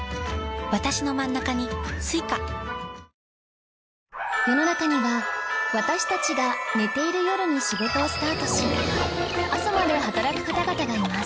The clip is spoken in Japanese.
あ世の中には私たちが寝ている夜に仕事をスタートし朝まで働く方々がいます